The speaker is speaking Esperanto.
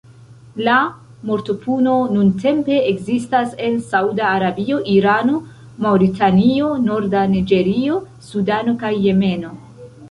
La mortopuno nuntempe ekzistas en Sauda Arabio, Irano, Maŭritanio, norda Niĝerio, Sudano, kaj Jemeno.